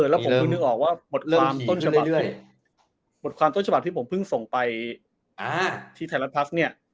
แล้วนึกออกว่าหมดลำต้นชะบัดที่ผมพึ่งส่งไปที่ไทยรัฐพรัศเนี่ย